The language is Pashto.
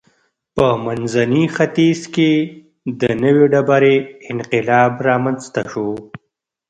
په منځني ختیځ کې د نوې ډبرې انقلاب رامنځته شو.